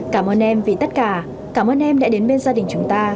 cảm ơn em vì tất cả cảm ơn em đã đến bên gia đình chúng ta